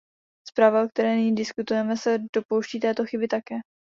Zpráva, o které nyní diskutujeme, se dopouští této chyby také.